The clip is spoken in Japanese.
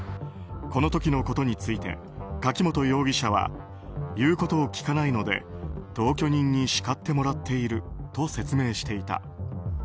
この時のことについて柿本容疑者は言うことを聞かないので同居人に叱ってもらっていると説明していた。